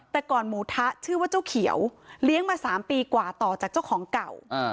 แต่ก่อนหมูทะชื่อว่าเจ้าเขียวเลี้ยงมา๓ปีกว่าต่อจากเจ้าของเก่า